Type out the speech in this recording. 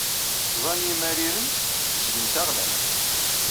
Tẓa n yimariren ttgen taɣlamt.